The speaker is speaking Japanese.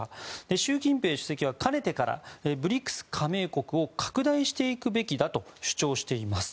習近平主席はかねてからＢＲＩＣＳ加盟国を拡大していくべきだと主張しています。